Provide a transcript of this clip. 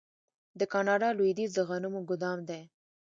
د کاناډا لویدیځ د غنمو ګدام دی.